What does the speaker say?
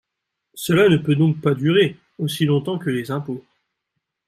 Cela ne peut donc pas durer aussi longtemps que les impôts.